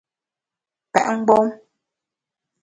Pèt mgbom !